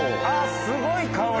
すごい！香り。